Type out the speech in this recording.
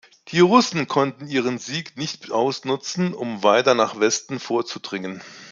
Die Russen konnten ihren Sieg nicht ausnutzen, um weiter nach Westen vorzudringen.